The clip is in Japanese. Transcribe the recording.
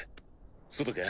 外か？